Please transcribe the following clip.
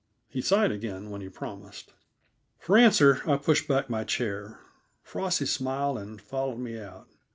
He sighed again when he promised. For answer I pushed back my chair. Frosty smiled and followed me out.